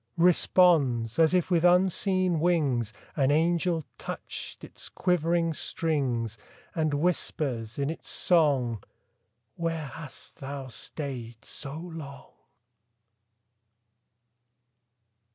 Responds, as if with unseen wings, An angel touched its quivering strings; And whispers, in its song, "'Where hast thou stayed so long?"